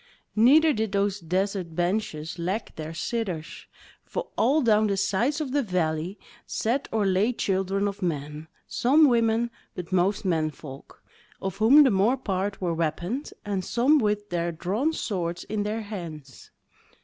Neither did those desert benches lack their sitters; for all down the sides of the valley sat or lay children of men; some women, but most men folk, of whom the more part were weaponed, and some with their drawn swords in their hands.